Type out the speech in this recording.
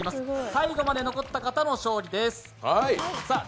最後まで残った方の勝利です。